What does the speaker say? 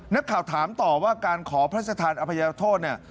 นักข่าวถามต่อว่าการขอพระราชทานอภัยโทษเนี่ย